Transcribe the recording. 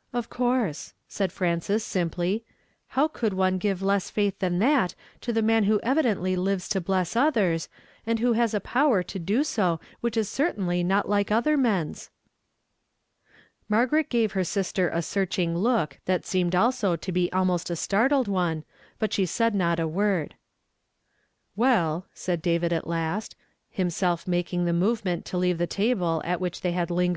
" Of coui se," said Frances simply. " How could one give less faitii than that to a man who evi dently lives to ])less others, and who has a power to do so which is certainly not like other men's ?" Margaret gave her sister a searching look that seemed also to be almost a startled one, but she said not a word. "WHO HEALETU ALL THY DISEASES. 45 re " Well," said David at last, himself making the movement to leave the table at Avhich they had ling